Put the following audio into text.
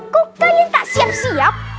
kok pengen tak siap siap